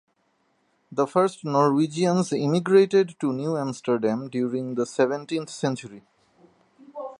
The first Norwegians immigrated to New Amsterdam during the seventeenth century.